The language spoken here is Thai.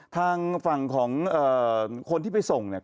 ทางฝั่งของคนที่ไปส่งเนี่ย